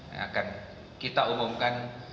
yang akan kita umumkan